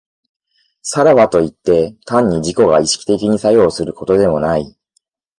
さらばといって、単に自己が意識的に作用することでもない。